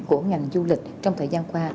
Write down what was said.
của ngành du lịch trong thời gian qua